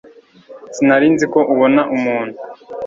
Sinari nzi ko ubona umuntu